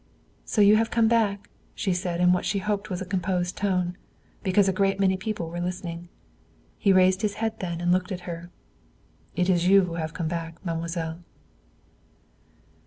"So you have come back!" she said in what she hoped was a composed tone because a great many people were listening. He raised his head and looked at her. "It is you who have come back, mademoiselle."